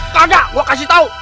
gak gue kasih tahu